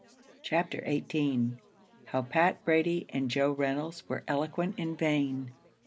CHAPTER XVIII. HOW PAT BRADY AND JOE REYNOLDS WERE ELOQUENT IN VAIN.